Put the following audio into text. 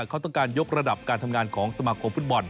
เขาต้องการยกระดับการทำงานของสมาคมฟุตบอล